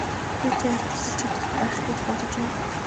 Би танд тусалж чадах байх гэж бодож байна.